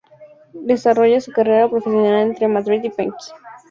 Desarrolla su carrera profesional entre Madrid y Pekín.